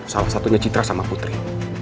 salah satunya citra sama putri